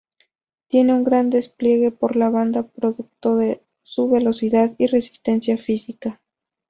Tiene un gran despliegue por la banda producto de su velocidad y resistencia física.